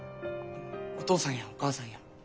お父さんやお母さんや恵達も？